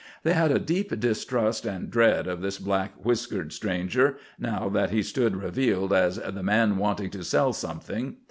They had a deep distrust and dread of this black whiskered stranger, now that he stood revealed as the Man Wanting to Sell Something.